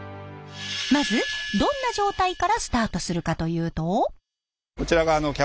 まずどんな状態からスタートするかというと。